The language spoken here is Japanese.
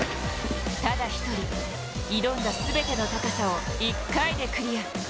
ただ１人、挑んだ全ての高さを１回でクリア。